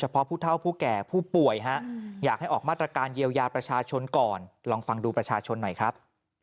ประชาชนหน่อยครับ